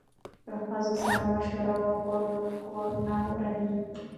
که ښځو سره مشوره وکړو نو کور نه ورانیږي.